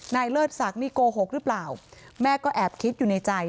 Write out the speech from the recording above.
เลิศศักดิ์นี่โกหกหรือเปล่าแม่ก็แอบคิดอยู่ในใจ